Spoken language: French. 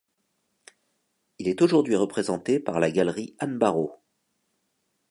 Il est aujourd'hui représenté par la galerie Anne Barrault.